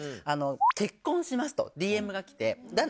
「結婚します」とＤＭが来て。